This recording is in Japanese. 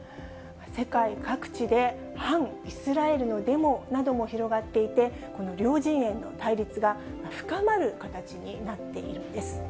世界各地で、反イスラエルのデモなども広がっていて、この両陣営の対立が深まる形になっているんです。